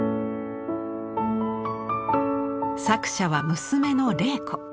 作者は娘の麗子。